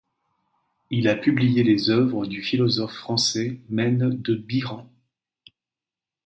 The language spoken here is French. Il a publié les œuvres du philosophe français Maine de Biran.